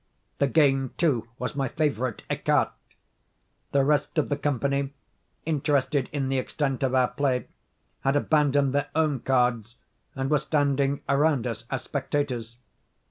The game, too, was my favorite écarté! The rest of the company, interested in the extent of our play, had abandoned their own cards, and were standing around us as spectators.